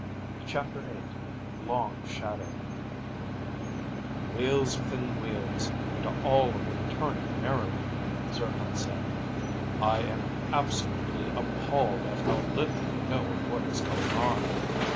CHAPTER VIII Long Shadow "Wheels within wheels and all of them turning merrily," Zircon said. "I am absolutely appalled at how little we know of what is going on."